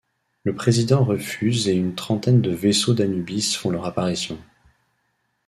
Le président refuse et une trentaine de vaisseaux d'Anubis font leur apparition.